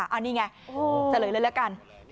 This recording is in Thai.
อันนี้ไงเสร็จเลยแล้วกัน